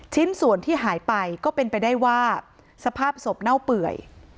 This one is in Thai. ชิ้นส่วนที่หายไปก็เป็นไปได้ว่าสภาพศพเน่าเปื่อย